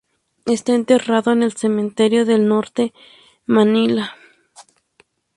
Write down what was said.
Está enterrado en el Cementerio del norte, Manila.